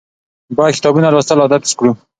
باید کتابونه لوستل عادت کړو.